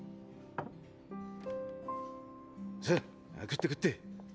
さ食って食って。